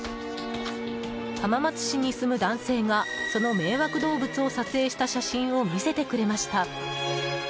浜松市に住む男性がその迷惑動物を撮影した写真を見せてくれました。